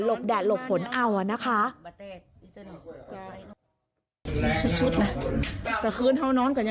หลบแดดหลบผลเอานะคะ